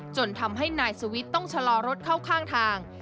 จนทำให้นายสวิทย์ต้องชะลอรถเข้าข้างทาง